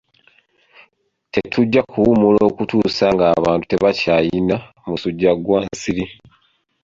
Tetujja kuwummula okutuusa ng'abantu tebakyayina musujja gwa nsiri.